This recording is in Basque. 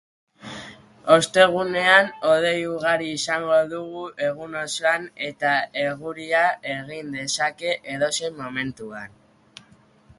Ostegunean hodei ugari izango dugu egun osoan eta eguria egin dezake edozein momentuan.